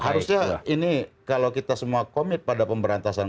harusnya ini kalau kita semua komit pada pemberantasan